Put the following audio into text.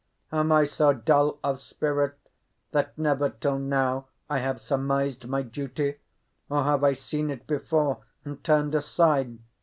Am I so dull of spirit that never till now I have surmised my duty, or have I seen it before and turned aside?